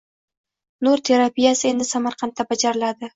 Nur terapiyasi endi Samarqandda bajariladi